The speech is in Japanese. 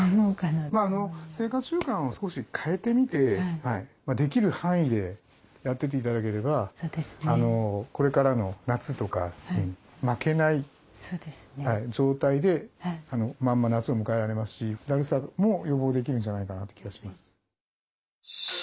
生活習慣を少し変えてみてできる範囲でやってって頂ければこれからの夏とかに負けない状態でまんま夏を迎えられますしだるさも予防できるんじゃないかなって気がします。